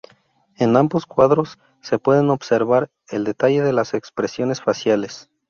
En ambos cuadros se puede observar el detalle de las expresiones faciales.